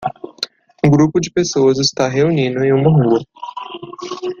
Um grupo de pessoas está reunido em uma rua.